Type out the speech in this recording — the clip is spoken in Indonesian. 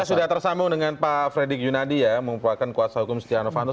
kita sudah tersambung dengan pak fredrik yunadi ya yang merupakan kuasa hukum setia novanto